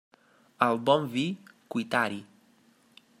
Al bon vi, cuitar-hi.